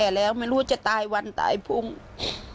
แต่มันถือปืนมันไม่รู้นะแต่ตอนหลังมันจะยิงอะไรหรือเปล่าเราก็ไม่รู้นะ